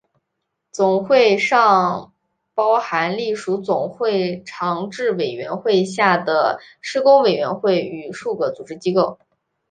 总会尚包含隶属总会常置委员会下的事工委员会与数个组织机构。